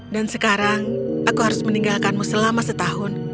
dan sekarang aku harus meninggalkanmu selama setahun